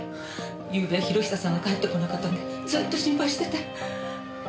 ゆうべ博久さんが帰ってこなかったんでずっと心配してて。